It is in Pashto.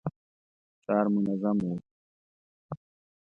ښار منظم و.